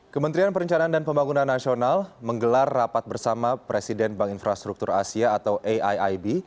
kementerian perencanaan dan pembangunan nasional menggelar rapat bersama presiden bank infrastruktur asia atau aiib